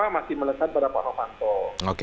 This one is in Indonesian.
masih melesat pada pak novanto